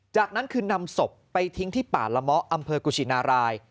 จากนั้นคือนำศพไปทิ้งที่ป่าละเมาะอำเภอกุชินาราย